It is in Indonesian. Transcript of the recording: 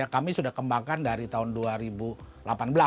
kami sudah kembangkan dari tahun dua ribu delapan belas